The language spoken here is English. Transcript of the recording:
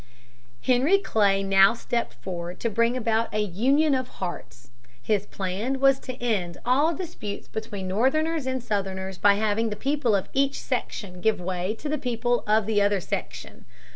Henry Clay now stepped forward to bring about a "union of hearts." His plan was to end all disputes between Northerners and Southerners by having the people of each section give way to the people of the other section.